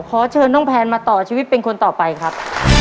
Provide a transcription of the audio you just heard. ขอเชิญน้องแพนมาต่อชีวิตเป็นคนต่อไปครับ